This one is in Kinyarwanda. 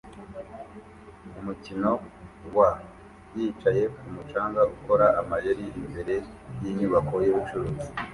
Umukino wa yicaye kumu canga ukora amayeri imbere yinyubako yubucuruzi